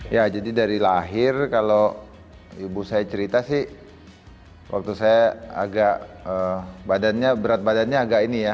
ya jadi dari lahir kalau ibu saya cerita sih waktu saya agak badannya berat badannya agak ini ya